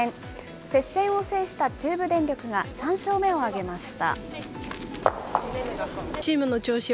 接戦を制した中部電力が３勝目を挙げました。